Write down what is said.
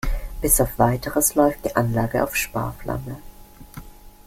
Bis auf Weiteres läuft die Anlage auf Sparflamme.